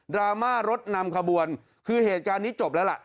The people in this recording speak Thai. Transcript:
ราม่ารถนำขบวนคือเหตุการณ์นี้จบแล้วล่ะ